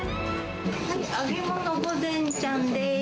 揚げ物御膳ちゃんです。